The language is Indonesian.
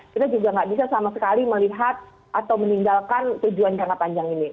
kita juga nggak bisa sama sekali melihat atau meninggalkan tujuan jangka panjang ini